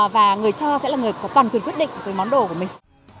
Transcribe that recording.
và người cho sẽ là người có toàn quyền quyết định với món đồ của mình